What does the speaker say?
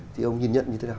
thì ông nhìn nhận như thế nào